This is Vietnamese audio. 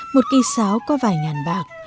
một cây sáo có vài ngàn bạc